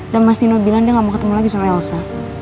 dan mas nino bilang dia gak mau ketemu lagi sama elsa